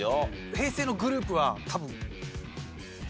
平成のグループは多分１組は。